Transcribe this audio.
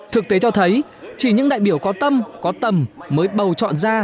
thực tế cho thấy chỉ những đại biểu có tâm có tầm mới bầu chọn ra